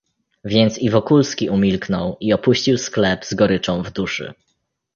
"Więc i Wokulski umilknął i opuścił sklep z goryczą w duszy."